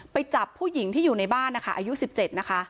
ไปจับผู้หญิงที่อยู่ในบ้านนะคะอายุ๑๗นะคะ